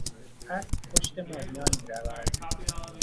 اسب پشت مادیان میرود.